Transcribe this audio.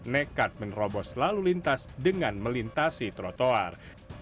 nekat menerobos lalu lintas dengan melintasi trotoar